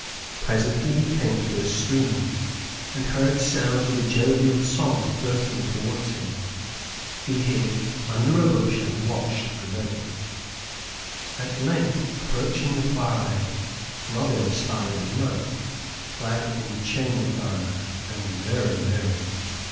Presently he came to a stream, and heard sounds of a jovial song floating towards him. He hid under a bush and watched alertly. At length, approaching the far bank, Robin espied a knight, clad in chain armor and very merry.